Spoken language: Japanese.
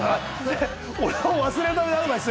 俺を忘れるためのアドバイス？